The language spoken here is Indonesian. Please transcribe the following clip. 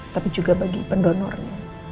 tapi juga bagi pendonornya